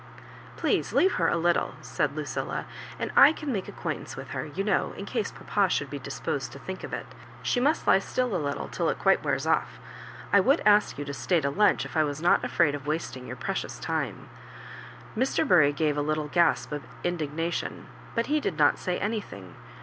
" Please^ leave her a little," said Lucilla, *'and I can make acquaintance with her, you know, in case papa should be disposed to think of it ;— she must lie still a little till it quite wears off. I would ask you to stay to lunch if I was not afraid of wasting your preck>us time " Mr. Bury gave a little gasp of indignation, but he did not say anything.